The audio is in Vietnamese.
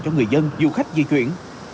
cho người dân du khách di chuyển